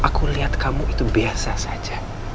aku lihat kamu itu biasa saja